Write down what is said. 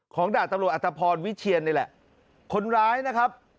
ดาบตำรวจอัตภพรวิเชียนนี่แหละคนร้ายนะครับ